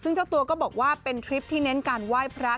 ซึ่งเจ้าตัวก็บอกว่าเป็นทริปที่เน้นการไหว้พระ